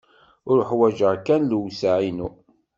Uḥwaǧeɣ kan lewseɛ-inu.